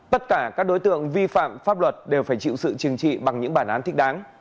tất cả các đối tượng vi phạm pháp luật đều phải chịu sự chừng trị bằng những bản án thích đáng